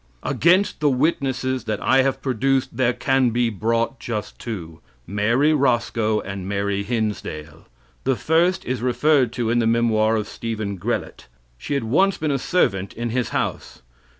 Against the witnesses that I have produced there can be brought just two Mary Roscoe and Mary Hinsdale. The first is referred to in the memoir of Stephen Grellet. She had once been a servant in his house.